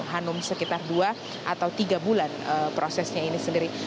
hanum sekitar dua atau tiga bulan prosesnya ini sendiri